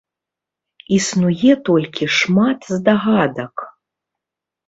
Існуе толькі шмат здагадак.